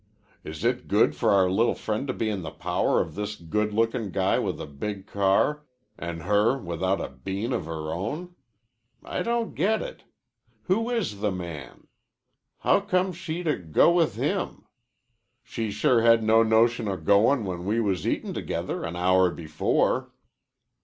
"Is it good for our li'l' friend to be in the power of this good lookin' guy with the big car, an' her without a bean of her own? I don't get it. Who is the man? Howcome she to go with him? She sure had no notion of goin' when we was eatin' together an hour before."